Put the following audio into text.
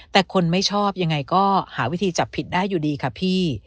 แต่คนไม่ชอบยังไงก็หาวิธีจับผิดได้อยู่ดีค่ะพี่